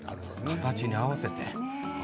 形に合わせて。